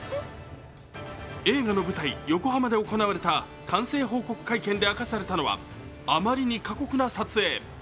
映画の舞台・横浜で行われた完成報告会見で明かされたのはあまりに過酷な撮影。